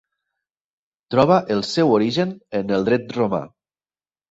Troba el seu origen en el dret romà.